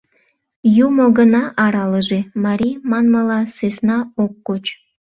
— Юмо гына аралыже, марий манмыла, сӧсна ок коч.